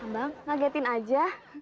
bang ngegetin aja